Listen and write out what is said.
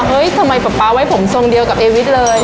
ทำไมป๊าป๊าไว้ผมทรงเดียวกับเอวิทย์เลย